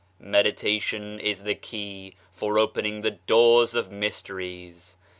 Meditation is the key for opening the doors of mysteries.